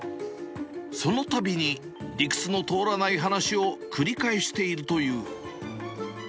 そのたびに、理屈の通らない話を繰り返しているという。